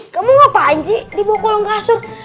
kamu ngapain sih dibawa ke kolam kasur